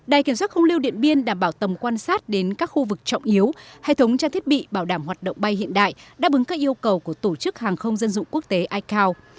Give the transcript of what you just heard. đài kiểm soát không lưu điện biên đảm bảo tầm quan sát đến các khu vực trọng yếu hệ thống trang thiết bị bảo đảm hoạt động bay hiện đại đáp ứng các yêu cầu của tổ chức hàng không dân dụng quốc tế icao